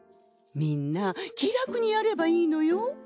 みんな気楽にやればいいのよ。